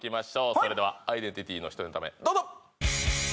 それではアイデンティティの１ネタ目どうぞ！